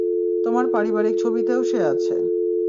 তোমার পারিবারিক ছবিতেও সে আছে।